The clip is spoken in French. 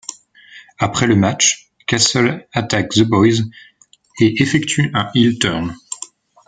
Après le match, Castle attaque The Boyz et effectue un heel turn.